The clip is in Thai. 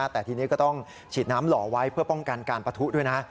แต่ทีนี้ก็ต้องฉีดน้ำหล่อไว้เพื่อป้องกันการปะทุด้วยนะ